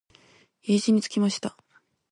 家路につきました。